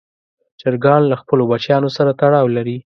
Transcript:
چرګان له خپلو بچیانو سره تړاو لري.